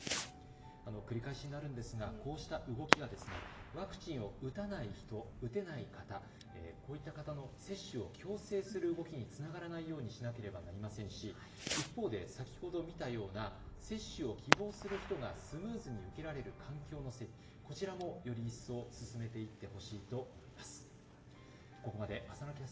繰り返しになるんですがこうした動きがワクチンを打たない人、打てない方、こういった方の接種を強制する動きにつながらないようにしなければなりませんし、一方で先ほど見たような、接種を希望する人がスムーズに受けられる環境の整備、こちらもより一層、進めていってほしいと思います。